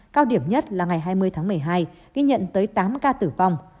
cao điểm nhất là ngày hai mươi tháng một mươi hai ghi nhận tới tám ca tử vong